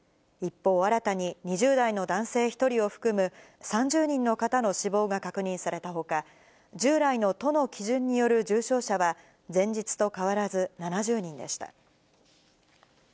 一方、新たに２０代の男性１人を含む、３０人の方の死亡が確認されたほか、従来の都の基準による重症者は、前日と変わらず７０人でした。